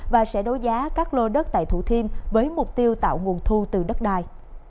và sẽ đối giá các lô đất tại thủ thiêm với mục tiêu tạo nguồn thu từ đất đai